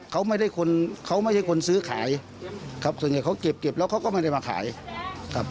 เขาไม่ได้คนเขาไม่ใช่คนซื้อขายครับส่วนใหญ่เขาเก็บเก็บแล้วเขาก็ไม่ได้มาขายครับ